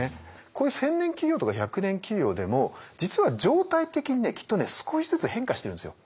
こういう千年企業とか百年企業でも実は常態的にきっとね少しずつ変化してるんですよ。